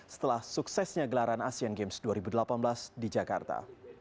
setelah suksesnya gelaran asean games dua ribu delapan belas di jakarta